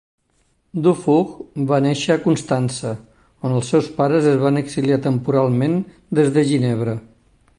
Dufour va néixer a Constança, on els seus pares es van exiliar temporalment des de Ginebra.